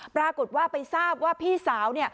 ปรากฏว่าไปทราบว่าพี่สาว